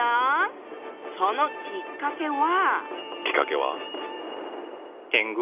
そのきっかけは。